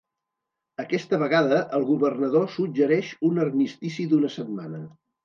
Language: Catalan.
Aquesta vegada, el governador suggereix un armistici d'una setmana.